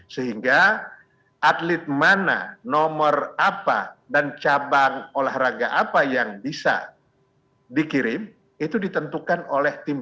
sehingga atlet mana nomor apa dan cabang olahraga apa yang bisa dikirim itu ditentukan oleh tim